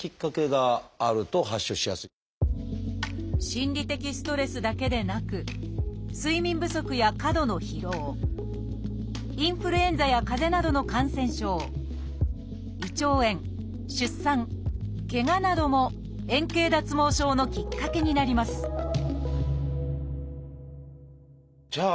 「心理的ストレス」だけでなく「睡眠不足」や「過度の疲労」「インフルエンザ」や「かぜ」などの感染症「胃腸炎」「出産」「けが」なども円形脱毛症のきっかけになりますじゃあ